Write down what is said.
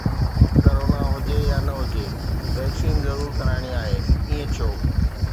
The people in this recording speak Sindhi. ڪرونا هجي يا نه هجي، ويڪسين ضرور ڪرائڻي آهي، ائين ڇو؟